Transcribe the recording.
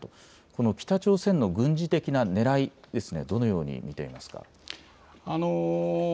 この北朝鮮の軍事的なねらい、どのように見ていますか。